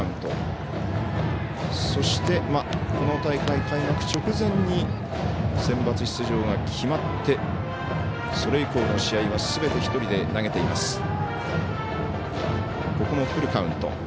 そして、この大会開幕直前にセンバツ出場が決まってそれ以降の試合は、すべて１人で投げています。